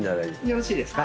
よろしいですか？